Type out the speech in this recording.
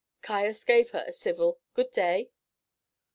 Caius gave her a civil "Good day."